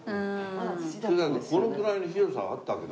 このくらいの広さはあったわけだ。